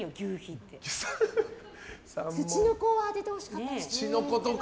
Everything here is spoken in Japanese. ツチノコは当ててほしかったですね。